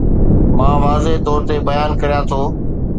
مان واضح طور تي بيان ڪريان ٿو